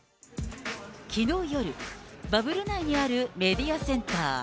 きのう夜、バブル内にあるメディアセンター。